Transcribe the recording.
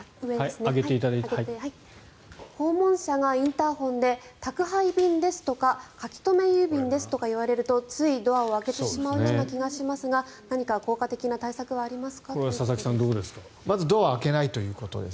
訪問者がインターホンで宅配便ですとか書留郵便ですとか言われるとついドアを開けてしまうような気がしますが何か効果的な対策はありますかということです。